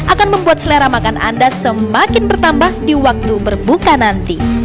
akan membuat selera makan anda semakin bertambah di waktu berbuka nanti